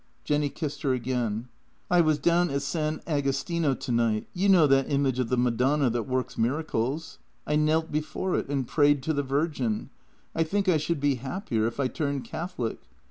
Jenny kissed her again. " I was down at S. Agostino tonight. You know that image of the Madonna that works miracles; I knelt before it and prayed to the Virgin. I think I should be happier if I turned Catholic.